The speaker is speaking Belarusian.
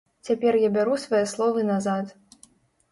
Цяпер я бяру свае словы назад.